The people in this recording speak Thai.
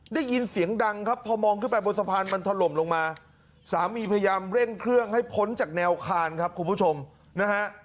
ได้ยินเสียงดังครับพอมองขึ้นไปบนสะพานมันถล่มลงมาสามีพยายามเร่งเครื่องให้พ้นจากแนวคานครับคุณผู้ชมนะฮะ